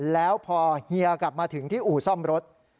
แล้วพอเฮียกลับมาถึงที่อู่ซ่อมรถ